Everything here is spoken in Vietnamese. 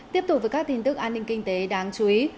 tiếp tục với các tin tức an ninh kinh tế đáng chú ý